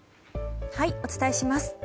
お伝えします。